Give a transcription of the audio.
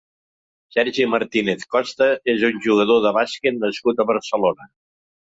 Sergi Martínez Costa és un jugador de bàsquet nascut a Barcelona.